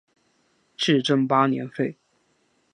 至正八年废。